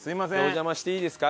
お邪魔していいですか？